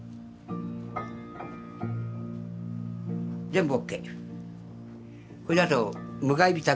全部ＯＫ。